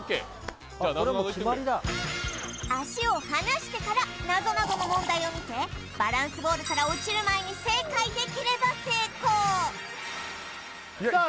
これもう決まりだ足を離してからなぞなぞの問題を見てバランスボールから落ちる前に正解できれば成功さあ